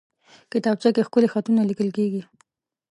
کتابچه کې ښکلي خطونه لیکل کېږي